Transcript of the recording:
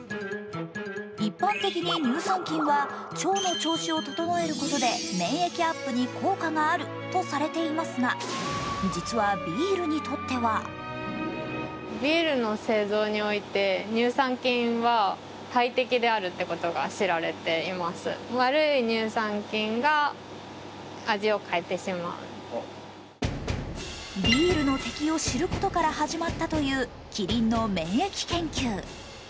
一般的に乳酸菌は腸の調子をととのえることで、免疫アップに効果があるとされていますが、実はビールにとってはビールの敵を知ることから始まったというキリンの免疫研究。